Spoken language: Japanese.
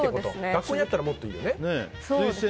学校にあったらもっといいよね。